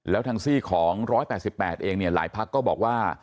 แล้วทางซีของ๑๘๘เองหลายภาคก็บอกว่า